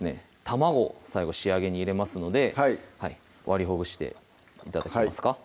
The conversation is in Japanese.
卵最後仕上げに入れますので割りほぐして頂けますか？